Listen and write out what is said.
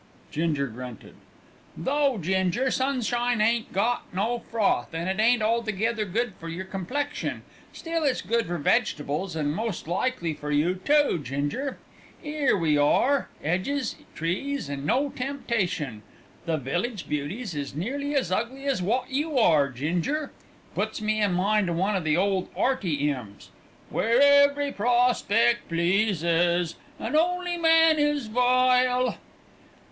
Ginger grunted. "Though, Ginger, sunshine ain't got no froth, an' it ain't altogether good for yer complexion, still it's good for vegetables and most likely for you too, Ginger. 'Ere we are, 'edges, trees, and no temptation. The village beauties is nearly as ugly as wot you are, Ginger. Puts me in mind o' one of the ole 'Earty 'ymns: "Where every prospect pleases, And only man is vile."